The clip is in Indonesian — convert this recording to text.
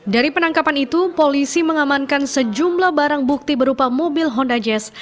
dari penangkapan itu polisi mengamankan sejumlah barang bukti berupa mobil honda jazz